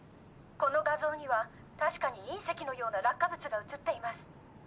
この画像にたしかに隕石のような落下物が映っています。